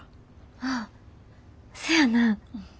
ああせやな。